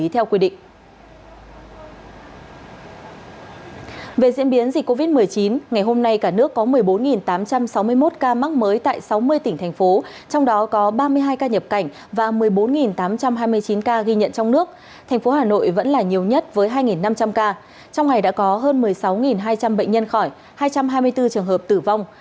trong ngày đã có hơn một mươi sáu hai trăm linh bệnh nhân khỏi hai trăm hai mươi bốn trường hợp tử vong